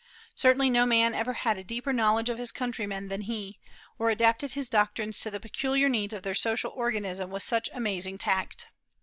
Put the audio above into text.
Certainly no man ever had a deeper knowledge of his countrymen than he, or adapted his doctrines to the peculiar needs of their social organism with such amazing tact.